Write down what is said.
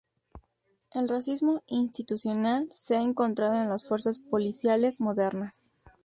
El racismo institucional se ha encontrado en las fuerzas policiales modernas.